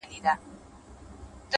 د فکر ازادي ستر نعمت دی.!